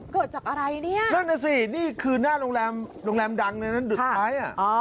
เกิดจากอะไรเนี่ยนั่นน่ะสินี่คือหน้าโรงแรมโรงแรมดังในนั้นสุดท้ายอ่ะ